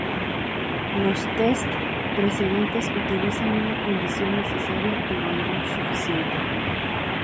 Los tests precedentes utilizan una condición necesaria pero no suficiente.